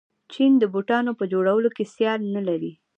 چین د بوټانو په جوړولو کې سیال نلري.